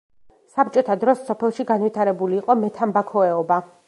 საბჭოთა დროს სოფელში განვითარებული იყო მეთამბაქოეობა.